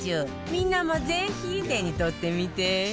みんなもぜひ手に取ってみて